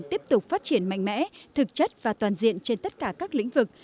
tiếp tục phát triển mạnh mẽ thực chất và toàn diện trên tất cả các lĩnh vực